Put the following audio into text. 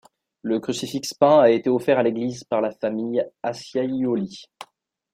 Le crucifix peint a été offert à l'église par la famille Acciaiuoli.